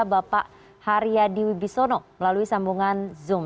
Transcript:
bapak haryadi wibisono melalui sambungan zoom